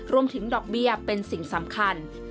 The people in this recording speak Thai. รวมถึงดอกเบี้ยเป็นสิ่งสำคัญ